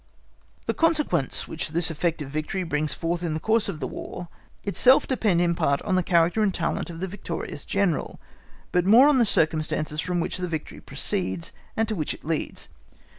The consequence which this effect of victory brings forth in the course of the War itself depend in part on the character and talent of the victorious General, but more on the circumstances from which the victory proceeds, and to which it leads.